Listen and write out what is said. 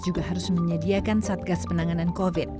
juga harus menyediakan satgas penanganan covid sembilan belas